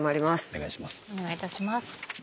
お願いします。